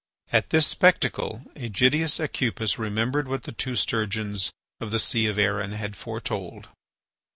At this spectacle Ægidius Aucupis remembered what the two sturgeons of the sea of Erin had foretold.